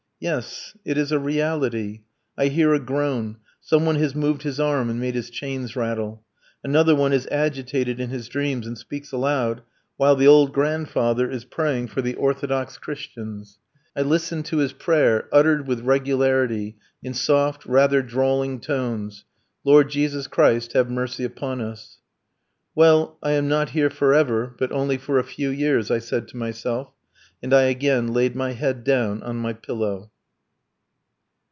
Yes, it is a reality. I hear a groan. Some one has moved his arm and made his chains rattle. Another one is agitated in his dreams and speaks aloud, while the old grandfather is praying for the "Orthodox Christians." I listened to his prayer, uttered with regularity, in soft, rather drawling tones: "Lord Jesus Christ have mercy upon us." "Well, I am not here for ever, but only for a few years," I said to myself, and I again laid my head down on my pillow.